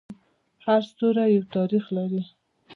هر ستوری یو تاریخ لري.